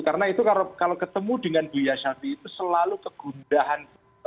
karena itu kalau ketemu dengan beliau syafi'i itu selalu kegundahan